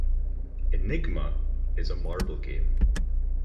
"Enigma" is a marble game.